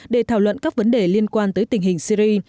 để thảo luận các vấn đề liên quan tới tình hình syri